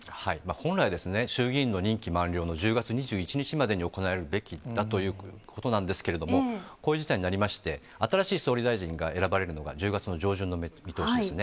本来、衆議院の任期満了の１０月２１日までに行われるべきだということなんですけれども、こういう事態になりまして、新しい総理大臣が選ばれるのが１０月の上旬の見通しですね。